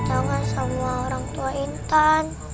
harus ditanda sama orang tua intan